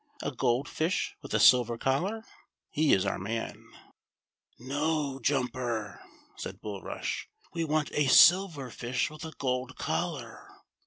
A gold fish with a silver collar ! Here is our man," " No, Jumper," said Bulrush ;" we want a silver fish with a gold collar."